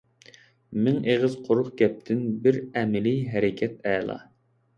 مىڭ ئېغىز قۇرۇق گەپتىن بىر ئەمەلىي ھەرىكەت ئەلا.